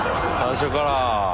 最初から。